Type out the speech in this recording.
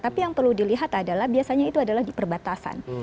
tapi yang perlu dilihat adalah biasanya itu adalah di perbatasan